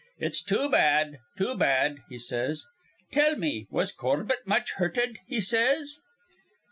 'It's too bad, too bad.' he says. 'Tell me, was Corbett much hurted?' he says."